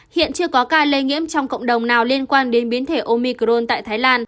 hiện chưa có ca lây nhiễm trong cộng đồng nào liên quan đến biến thể omicron